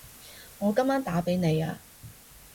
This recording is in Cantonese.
我今晚打畀你吖